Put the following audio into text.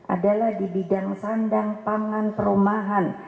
adalah di bidang sandang pangan perumahan